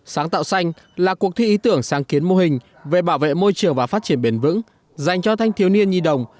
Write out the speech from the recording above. sáng tạo xanh là cuộc thi ý tưởng sáng kiến mô hình về bảo vệ môi trường và phát triển bền vững dành cho thanh thiếu niên nhi đồng